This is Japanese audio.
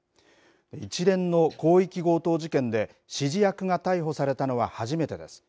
一連の広域強盗事件で指示役が逮捕されたのは初めてです。